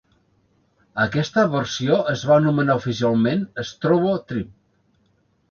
Aquesta versió es va anomenar oficialment "Strobo Trip".